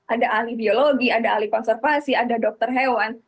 ada ahli biologi ada ahli konservasi ada dokter hewan